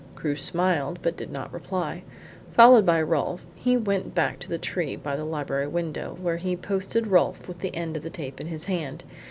Crewe smiled, but did not reply. Followed by Rolfe, he went back to the tree by the library window, where he posted Rolfe with the end of the tape in his hand.